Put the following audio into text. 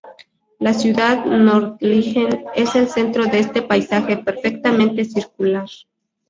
La ciudad de Nördlingen es el centro de este paisaje perfectamente circular.